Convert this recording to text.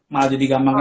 malah jadi gampang sakit